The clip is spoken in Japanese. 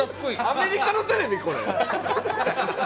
アメリカのテレビ、これ！？